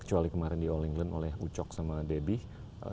kecuali kemarin di all england oleh ucok sama debbie